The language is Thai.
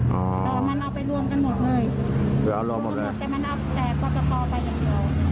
อ๋อมันเอาไปรวมกันหมดเลยเอาไปรวมหมดเลยแต่มันเอาแต่ปรตตอไปอย่างเดียว